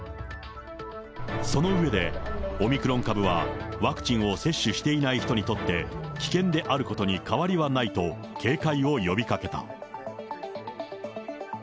その上で、オミクロン株はワクチンを接種していない人にとって、危険であることに変わりはないと、警戒を呼びかけた。